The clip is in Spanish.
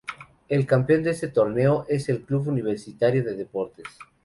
El campeón de este torneo es el Club Universitario de Deportes.